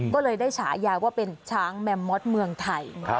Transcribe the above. ก็เลยได้ฉายาว่าเป็นช้างแมมมอสเมืองไทย